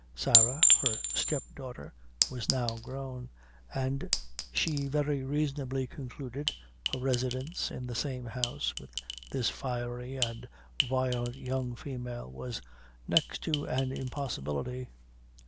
Sarah, her step daughter, was now grown, and she very reasonably concluded, her residence in the same house with this fiery and violent young female was next to an impossibility.